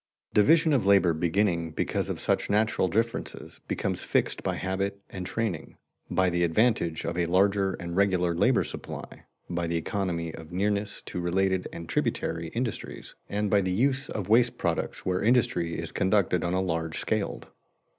Division of labor beginning because of such natural differences, becomes fixed by habit and training, by the advantage of a larger and regular labor supply, by the economy of nearness to related and tributary industries, and by the use of waste products where industry is conducted on a large scaled.